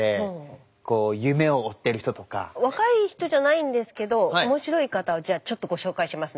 若い人じゃないんですけど面白い方をじゃあちょっとご紹介しますね。